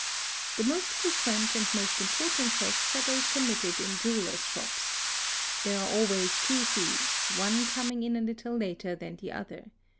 The most frequent and most important thefts are those committed in j : 4 4 ' EL jeweller's shops "110, There are always two thieves, one coming in a little later than the other.